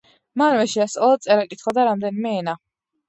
მანვე შეასწავლა წერა-კითხვა და რამდენიმე ენა.